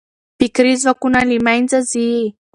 فکري ځواکونه له منځه ځي.